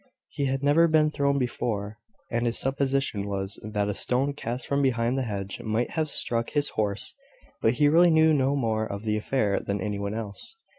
He had never been thrown before; and his supposition was, that a stone cast from behind the hedge might have struck his horse: but he really knew no more of the affair than any one else.